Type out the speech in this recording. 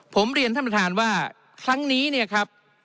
ผมเรียนท่านประธานว่าครั้งนี้เนี่ยครับ